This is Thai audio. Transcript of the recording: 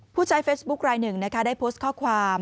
ผู้ใช้เฟซบุ๊คลายหนึ่งนะคะได้โพสต์ข้อความ